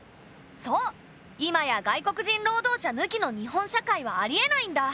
そう今や外国人労働者ぬきの日本社会はありえないんだ。